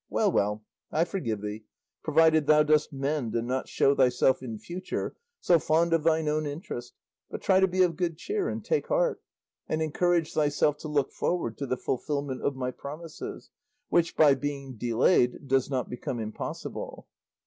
Well, well, I forgive thee, provided thou dost mend and not show thyself in future so fond of thine own interest, but try to be of good cheer and take heart, and encourage thyself to look forward to the fulfillment of my promises, which, by being delayed, does not become impossible."